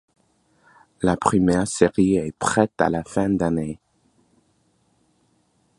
La première série est prête à la fin d'année.